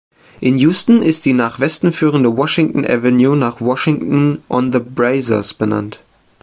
In Houston ist die nach Westen führende Washington Avenue nach Washington-on-the-Brazos benannt.